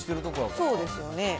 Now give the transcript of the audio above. そうですよね。